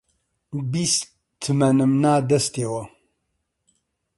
بیست تمەنم نا دەستییەوە